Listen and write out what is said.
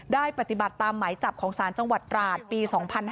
ได้ปฏิบัติตามหมายจับของสารจังหวัดราชปี๒๕๖๒